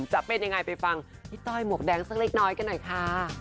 จะเป็นยังไงไปฟังพี่ต้อยหมวกแดงสักเล็กน้อยกันหน่อยค่ะ